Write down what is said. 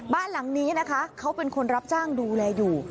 บ้านหลังนี้นะคะเขาเป็นคนรับจ้างดูแลอยู่